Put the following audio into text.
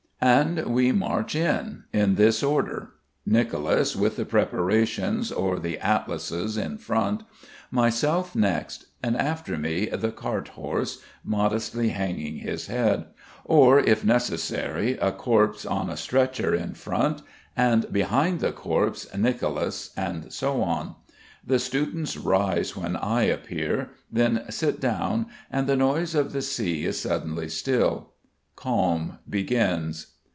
And we march in, in this order: Nicolas with the preparations or the atlases in front, myself next, and after me, the cart horse, modestly hanging his head; or, if necessary, a corpse on a stretcher in front and behind the corpse Nicolas and so on. The students rise when I appear, then sit down and the noise of the sea is suddenly still. Calm begins.